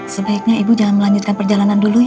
sebaiknya ibu jangan melanjutkan perjalanan dulu ya